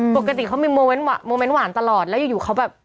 ปกติเขามีโมเมนต์โมเมนต์หวานตลอดแล้วอยู่เขาแบบ